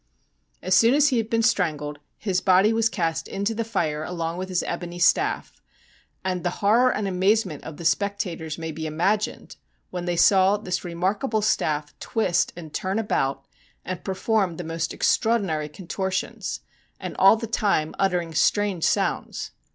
As soon as he had been strangled his body was cast into the fire along with his ebony staff. And the horror and amazement of the spectators may be imagined when they saw this remarkable staff twist and turn about and perform the most extraordinary contortions, and all the time uttering strange sounds.